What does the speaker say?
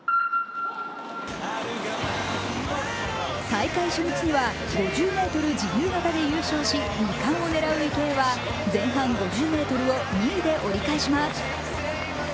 大会初日には５０ｍ自由形で優勝し２冠を狙う池江は前半５０ｍを２位で折り返します。